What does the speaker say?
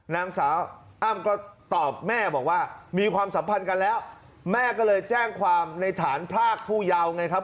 นางสาวอ้ำก็ตอบแม่บอกว่ามีความสัมพันธ์กันแล้วแม่ก็เลยแจ้งความในฐานพรากผู้ยาวไงครับ